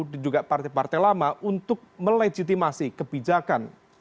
dan juga partai partai lama untuk melejitimasi kebijakan